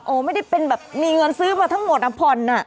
ไม่ได้เป็นแบบมีเงินซื้อมาทั้งหมดอ่ะผ่อนอ่ะ